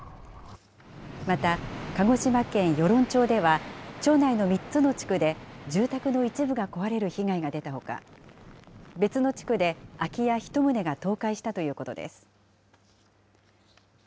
また、鹿児島県与論町では、町内の３つの地区で住宅の一部が壊れる被害が出たほか、別の地区で空き家１棟が倒壊したということです。